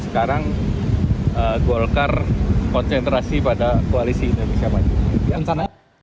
sekarang golkar konsentrasi pada koalisi indonesia maju